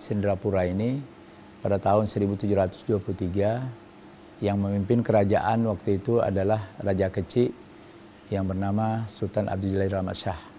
sindrapura ini pada tahun seribu tujuh ratus dua puluh tiga yang memimpin kerajaan waktu itu adalah raja keci yang bernama sultan abdullahirrahman shah